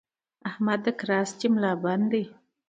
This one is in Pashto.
احمد د کراستې ملابند دی؛